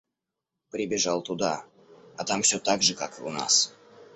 Прибежал туда а там всё так же как и у нас.